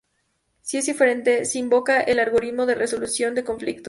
Si es diferente, se invoca el algoritmo de resolución de conflictos.